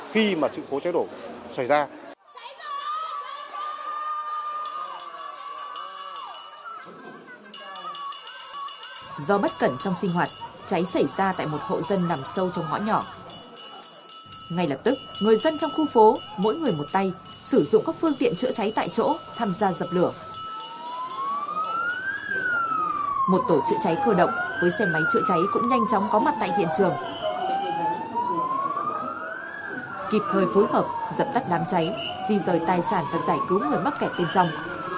kịp thời phối hợp dập tắt đám cháy di rời tài sản và giải cứu người mắc kẹt bên trong